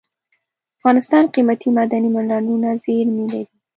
افغانستان قیمتي معدني منرالونو زیرمې لري.